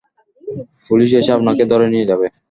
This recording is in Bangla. পুলিশ এসে আপনাকে ধরে নিয়ে যাবে।